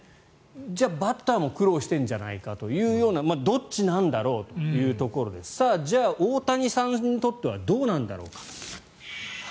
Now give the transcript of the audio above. じゃあバッターも苦労してるんじゃないかというようなどっちなんだろうというところでじゃあ、大谷さんにとってはどうなんだろうか。